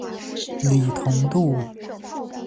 李同度。